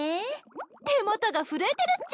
手元が震えてるっちゃ。